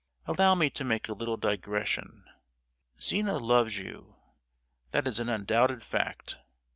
Allow me to make a little digression. Zina loves you—that is an undoubted fact.